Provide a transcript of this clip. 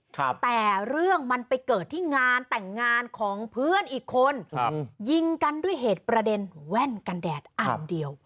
แต่เรื่องมันไปเกิดที่งานแต่งงานของเพื่อนอีกคนครับยิงกันด้วยเหตุประเด็นแว่นกันแดดอันเดียว